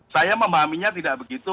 saya memahaminya tidak begitu